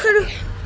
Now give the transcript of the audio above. seram banget sih